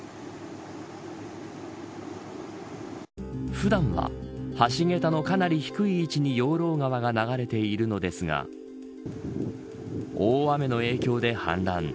普段は、橋桁のかなり低い位置に養老川が流れているのですが大雨の影響で氾濫。